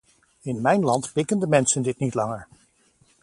In mijn land pikken de mensen dit niet langer.